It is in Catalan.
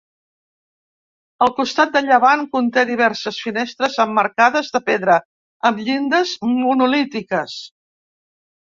El costat de llevant conté diverses finestres emmarcades de pedra amb llindes monolítiques.